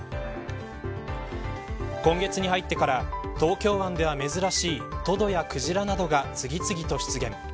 今月に入ってから東京湾では珍しいトドやクジラなどが次々と出現。